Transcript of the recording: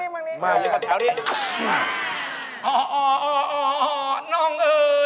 พี่ร้อง